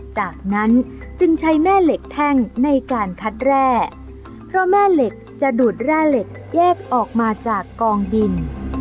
จากนั้นจึงใช้แม่เหล็กแท่งในการคัดแร่เพราะแม่เหล็กจะดูดแร่เหล็กแยกออกมาจากกองดิน